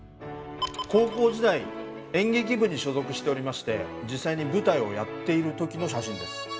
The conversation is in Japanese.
高校時代演劇部に所属しておりまして実際に舞台をやっている時の写真です。